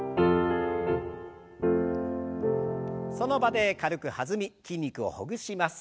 その場で軽く弾み筋肉をほぐします。